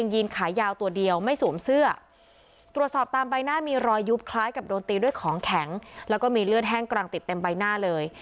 รอยยุบคล้ายกับโดนตีด้วยของแข็งแล้วก็มีเลือดแห้งกลางติดเต็มใบหน้าเลย